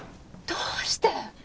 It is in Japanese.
どうして！？